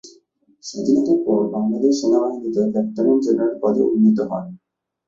স্বাধীনতার পর বাংলাদেশ সেনাবাহিনীতে লেফটেন্যান্ট জেনারেল পদে উন্নীত হন।